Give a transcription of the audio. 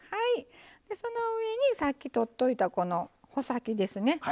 その上にさっきとっといたこの穂先ですね。